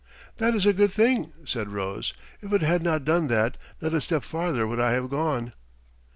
"That is a good thing," said Rose. "If it had not done that, not a step farther would I have gone."